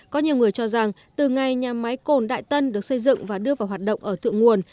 có nhiều người cho rằng từ ngày nhà máy cồn đại tân được xây dựng và đưa vào hoạt động ở thượng nguồn